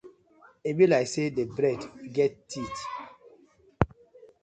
E bi like say di bread get teeth.